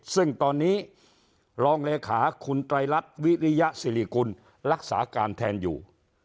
ซึ่งตอนนี้รองเลขาคุณไตรรัฐวิริยสิริกุลรักษาการแทนอยู่